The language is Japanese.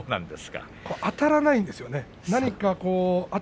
あたらないんですよね、何かあ